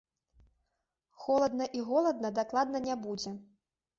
Холадна і голадна дакладна не будзе.